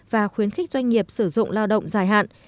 và khuyến khích doanh nghiệp sử dụng lao động dài hạn